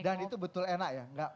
dan itu betul enak ya